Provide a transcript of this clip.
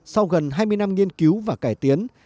sau gần hai mươi năm nghiên cứu và cải tiến